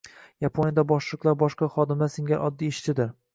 Yaponiyada boshliqlar boshqa xodimlar singari oddiy ishchidir.